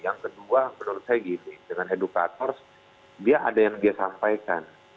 yang kedua menurut saya gini dengan edukator dia ada yang dia sampaikan